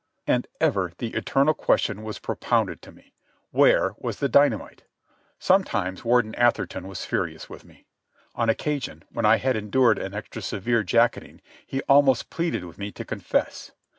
And ever the eternal question was propounded to me: Where was the dynamite? Sometimes Warden Atherton was furious with me. On occasion, when I had endured an extra severe jacketing, he almost pleaded with me to confess.